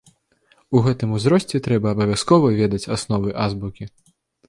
У гэтым узросце трэба абавязкова ведаць асновы азбукі.